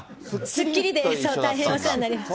スッキリで大変お世話になりました。